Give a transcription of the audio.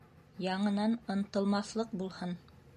Яңынан ынтылмаҫлыҡ булһын!